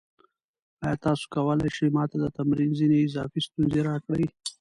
ایا تاسو کولی شئ ما ته د تمرین ځینې اضافي ستونزې راکړئ؟